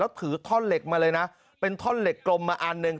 ถือท่อนเหล็กมาเลยนะเป็นท่อนเหล็กกลมมาอันหนึ่ง